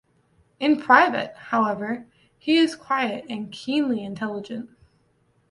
In private, however, he is quiet and keenly intelligent.